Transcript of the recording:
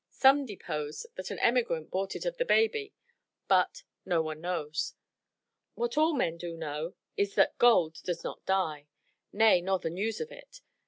Some depose that an emigrant bought it of the baby; but no one knows. What all men do know is that gold does not die; nay, nor the news of it.